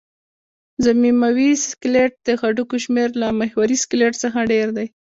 ضمیموي سکلېټ د هډوکو شمېر له محوري سکلېټ څخه ډېر دی.